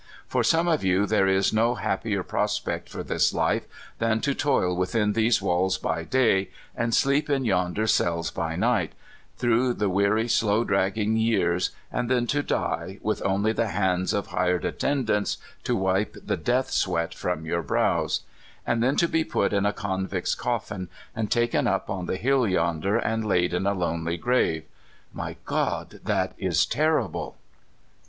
For some of you there is no hap pier prospect for this life than to toil within these walls by day, and sleep in yonder cells by night, through the weary, slow dragging years, and then to die, with only the hands of hired attendants to wipe the death sweat from your brows; and then to be put in a convict's cotlin, and taken up on the hill yonder, and laid in a lonely grave. My God ! this is terrible